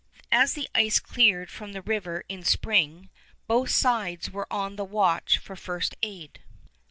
As the ice cleared from the river in spring, both sides were on the watch for first aid.